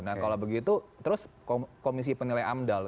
nah kalau begitu terus komisi penilai amdal